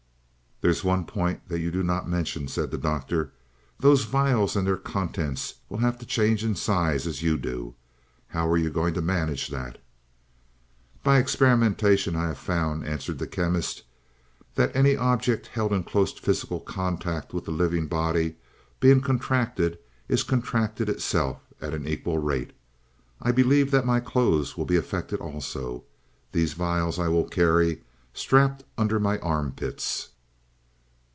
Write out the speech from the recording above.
"There's one point that you do not mention," said the Doctor. "Those vials and their contents will have to change size as you do. How are you going to manage that?" "By experimentation I have found," answered the Chemist, "that any object held in close physical contact with the living body being contracted is contracted itself at an equal rate. I believe that my clothes will be affected also. These vials I will carry strapped under my armpits."